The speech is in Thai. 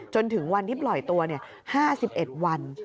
จนถึงวันที่ปล่อยตัว๕๑วัน